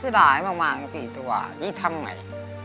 เจ๋นดายมากไอ้พี่แต่ว่าให้ทั้งไหน